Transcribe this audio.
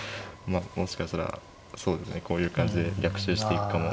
まあもしかしたらそうですねこういう感じで逆襲していくかも。